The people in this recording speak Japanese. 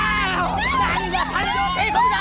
何が三条帝国だ！